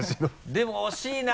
でも惜しいな！